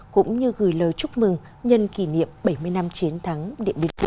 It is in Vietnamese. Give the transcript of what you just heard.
cũng như gửi lời chúc mừng nhân kỷ niệm bảy mươi năm chiến thắng điện biên phủ